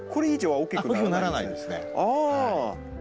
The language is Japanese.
大きくならないですね。